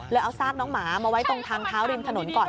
เอาซากน้องหมามาไว้ตรงทางเท้าริมถนนก่อน